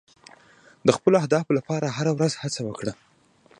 د خپلو اهدافو لپاره هره ورځ هڅه وکړه.